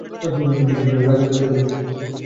তুই কি রাজের প্রেমে পড়েছিস?